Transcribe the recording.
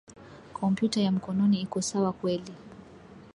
Kompyuta ya mkononi iko sawa kweli.